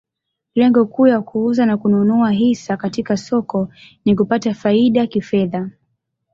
Lengo kuu ya kuuza na kununua hisa katika soko ni kupata faida kifedha.